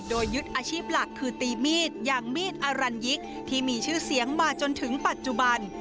โดยยึดอาชีพหลักคือตีมีดอย่างมีดอรัญยิกที่มีชื่อเสียงมาจนถึงปัจจุบัน